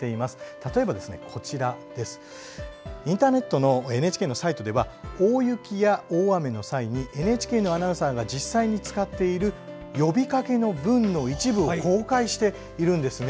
例えば、インターネットのＮＨＫのサイトでは大雪や大雨の際にＮＨＫのアナウンサーが実際に使っている呼びかけの文の一部を公開しているんです。